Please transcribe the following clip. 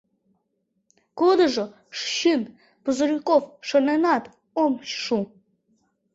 Кудыжо чын Пузырьков, шоненат ом шу.